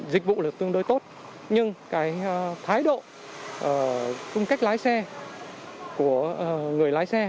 dịch vụ là tương đối tốt nhưng cái thái độ cung cách lái xe của người lái xe